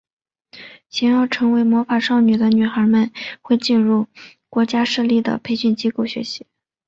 想要成为魔法少女的女孩们会进入国家设立的培训机构学习。